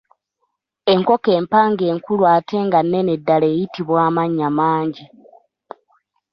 Enkoko empanga enkulu ate nga nnene ddala eyitibwa amannya mangi.